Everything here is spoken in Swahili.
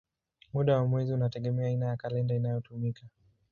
Muda wa mwezi unategemea aina ya kalenda inayotumika.